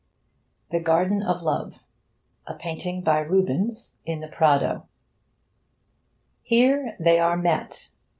'THE GARDEN OF LOVE' A PAINTING BY RUBENS, IN THE PRADO Here they are met.